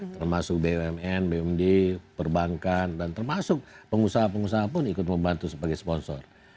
termasuk bumn bumd perbankan dan termasuk pengusaha pengusaha pun ikut membantu sebagai sponsor